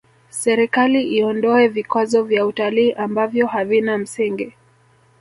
serikali iondoe vikwazo vya utalii ambavyo havina msingi